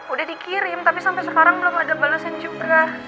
udah dikirim tapi sampe sekarang belum ada balesan juga